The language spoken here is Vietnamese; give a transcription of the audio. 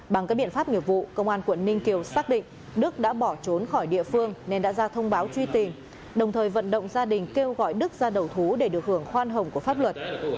bằng các biện pháp nghiệp vụ công an quận ninh kiều xác định đức đã bỏ trốn khỏi địa phương nên đã ra thông báo truy tìm đồng thời vận động gia đình kêu gọi đức ra đầu thú để được hưởng khoan hồng của pháp luật